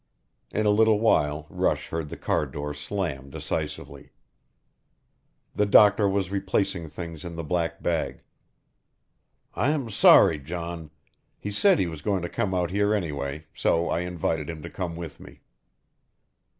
In a little while Rush heard the car door slam decisively. The doctor was replacing things in the black bag. "I'm sorry, John. He said he was going to come out here anyway so I invited him to come with me."